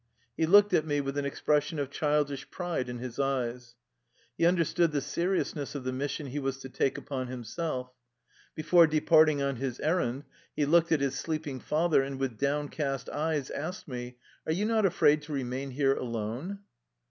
He looked at me with an expression of childish pride in his eyes. He understood the seriousness of the mis sion he was to take upon himself. Before de parting on his errand, he looked at his sleeping father, and with downcast eyes asked me, "Are you not afraid to remain here alone?